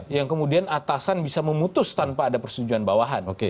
yang kemudian atasan bisa memutus tanpa ada persetujuan bawahan